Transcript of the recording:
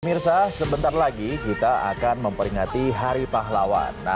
mirsa sebentar lagi kita akan memperingati hari pahlawan